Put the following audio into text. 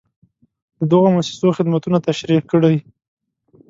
د دغو مؤسسو خدمتونه تشریح کړئ.